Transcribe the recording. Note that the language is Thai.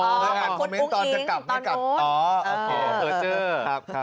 คุณปุ๊งอิงตอนนู้น